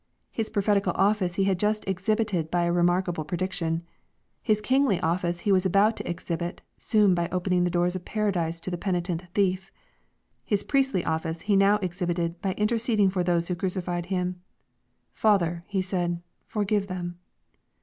His prophetical office He had just exhibited by a remarkable prediction. His kingly office He was about to exhibit soon by open ing the door of paradise to the penitent thief. His priestly office He now exhibited by interceding for those who crucified Him. " Father," He said, " forgive them.'